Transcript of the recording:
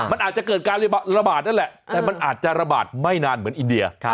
มันอาจจะเกิดการระบาดนั่นแหละแต่มันอาจจะระบาดไม่นานเหมือนอินเดีย